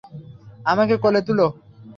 আমাকে কোলে তুলো!